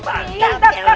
komentari ya kan